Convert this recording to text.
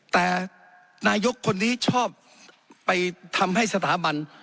แต่นายกคนนี้ชอบไปทำให้สถาบัน